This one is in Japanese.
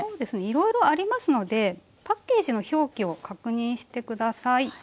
いろいろありますのでパッケージの表記を確認して下さい。